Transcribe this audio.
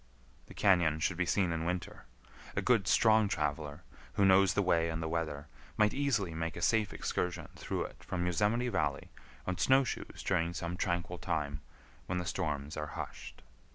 The cañon should be seen in winter. A good, strong traveler, who knows the way and the weather, might easily make a safe excursion through it from Yosemite Valley on snow shoes during some tranquil time, when the storms are hushed.